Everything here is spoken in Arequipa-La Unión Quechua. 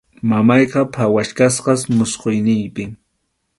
Mamayqa phawachkasqas musquyninpi.